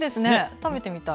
食べてみたい。